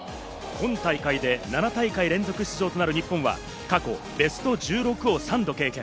今大会で７大会連続出場となる日本は過去ベスト１６を３度経験。